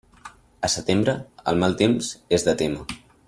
A setembre, el mal temps és de témer.